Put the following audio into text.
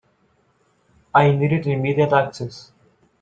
I needed immediate access.